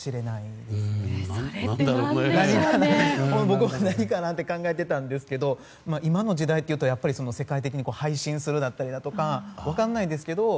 僕も何かなって考えていたんですけども今の時代というと世界的に配信するだったりとか分かんないですけど。